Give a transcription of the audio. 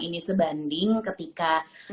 ini sebanding ketika